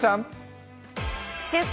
「週刊！